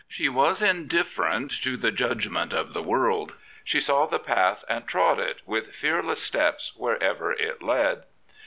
She was indifferent to the judgment of the world. She saw the path, and trod it with fearless steps wherever it led.